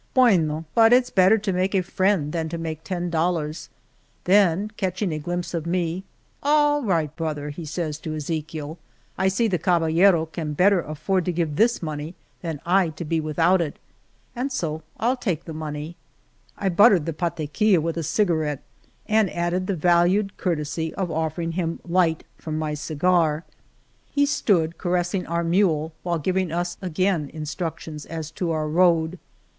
Bueno, but it's better to make a friend than to make ten dollars," then, catching a glimpse of me :All right, brother," he says to Ezechiel, I see the caballero can better afford to give this money than I to be with out it, and so FU take the money." I buttered the pataquilla with a cigarette, and added the valued courtesy of offering him light from my cigar. He stood caressing our mule while giving us again instructions as to our road.